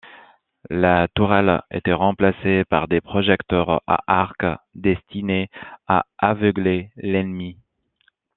La tourelle était remplacée par des projecteurs à arc destinés à aveugler l'ennemi.